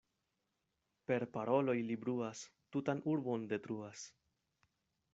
Per paroloj li bruas, tutan urbon detruas.